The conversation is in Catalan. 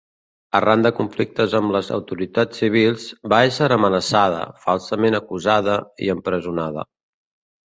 Arran de conflictes amb les autoritats civils, va ésser amenaçada, falsament acusada i empresonada.